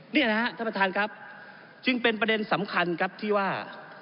นี่นะครับท่านประธานครับจึงเป็นประเด็นสำคัญครับที่ว่า